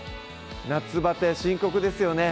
夏バテ深刻ですよね